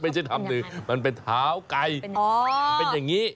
ไม่ใช่ทำมือมันเป็นเท้าไก่เป็นอย่างนี้